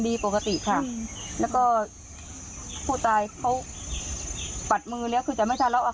เราก็ลุ้มลงไปแล้วก็เอามือมาตรอก